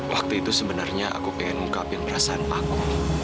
waktu itu sebenarnya aku pengen ungkap yang perasaan aku